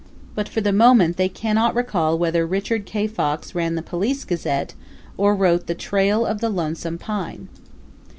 But for the moment they cannot recall whether Richard K. Fox ran the Police Gazette or wrote the "Trail of the Lonesome Pine."